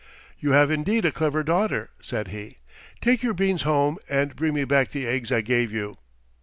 "You have indeed a clever daughter," said he. "Take your beans home and bring me back the eggs I gave you."